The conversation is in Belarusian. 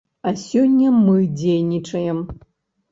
А сёння мы дзейнічаем.